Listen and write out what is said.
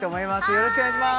よろしくお願いします